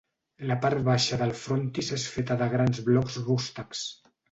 La part baixa del frontis és feta de grans blocs rústecs.